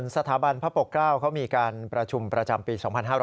สถาบันพระปกเกล้าเขามีการประชุมประจำปี๒๕๕๙